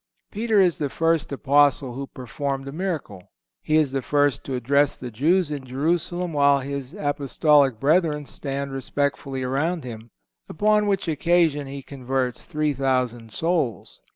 Peter is the first Apostle who performed a miracle.(160) He is the first to address the Jews in Jerusalem while his Apostolic brethren stand respectfully around him, upon which occasion he converts three thousand souls.